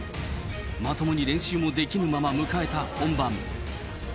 まともに練習もできぬまま、迎えた本番。